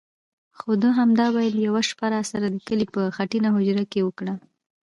خو ده همدا ویل: یوه شپه راسره د کلي په خټینه هوجره کې وکړئ.